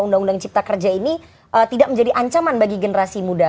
undang undang cipta kerja ini tidak menjadi ancaman bagi generasi muda